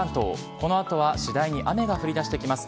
この後は次第に雨が降り出してきます。